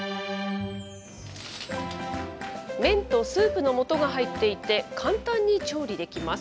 麺とスープのもとが入っていて、簡単に調理できます。